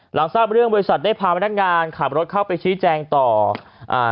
หลังทราบเรื่องบริษัทได้พาพนักงานขับรถเข้าไปชี้แจงต่ออ่า